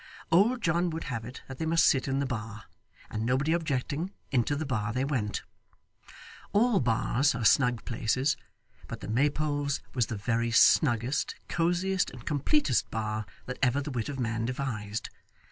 Old John would have it that they must sit in the bar, and nobody objecting, into the bar they went. All bars are snug places, but the Maypole's was the very snuggest, cosiest, and completest bar, that ever the wit of man devised.